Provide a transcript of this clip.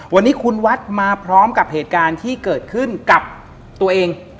วันนี้คุณวัดมาพร้อมกับเหตุการณ์ที่เกิดขึ้นกับตัวเอง